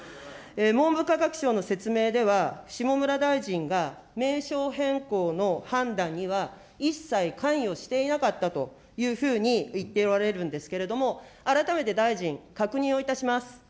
文部科学省の説明では、下村大臣が名称変更の判断には、一切関与していなかったというふうに言っておられるんですけれども、改めて大臣、確認をいたします。